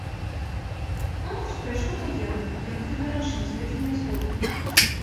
Конкурс прайшоў таемна, і я катэгарычна з гэтым не згодны.